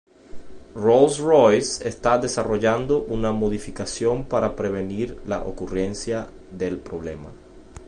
Rolls-Royce está desarrollando una modificación para prevenir la ocurrencia del problema.